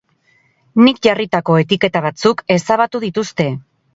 Nik jarritako etiketa batzuk ezabatu dituzte.